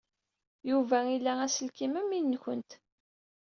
Yuba ila aselkim am win-nwent.